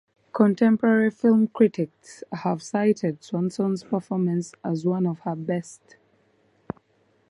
Contemporary film critics have cited Swanson's performance as one of her best.